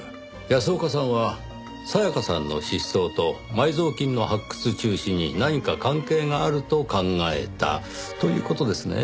安岡さんは沙耶香さんの失踪と埋蔵金の発掘中止に何か関係があると考えたという事ですね？